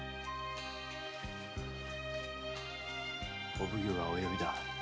お奉行がお呼びだ。